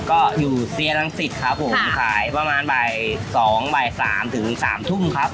ก็อยู่เซียรังสิทธิ์ครับผมขายประมาณบ่ายสองบ่ายสามถึงสามทุ่มครับ